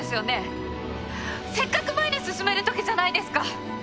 せっかく前に進めるときじゃないですか。